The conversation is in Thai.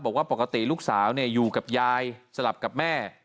บอกว่าปกติลูกสาวอยู่กับยายสลับกับแม่